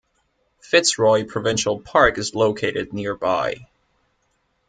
Fitzroy Provincial Park is located nearby.